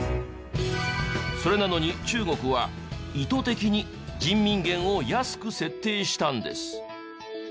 それなのに中国は意図的に人民元を安く設定したんです。